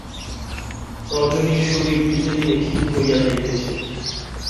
রজনীর শরীর দিনে দিনে ক্ষীণ হইয়া যাইতেছে।